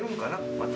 また。